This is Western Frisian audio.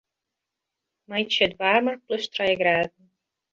Meitsje it waarmer plus trije graden.